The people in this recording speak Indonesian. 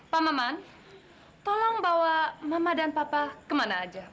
pak maman tolong bawa mama dan papa kemana aja